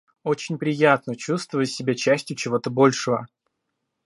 Очень приятно чувствовать себя частью чего-то большого